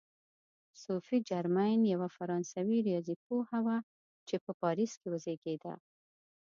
صوفي جرمین یوه فرانسوي ریاضي پوهه وه چې په پاریس کې وزېږېده.